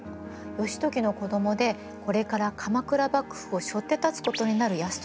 義時の子どもでこれから鎌倉幕府をしょって立つことになる泰時がね